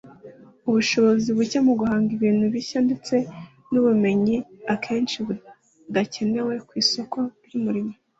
ubushobozi buke mu guhanga ibintu bishya ndetse n’ubumenyi akenshi budakenewe ku isoko ry’umurimo